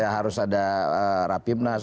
harus ada rapimnas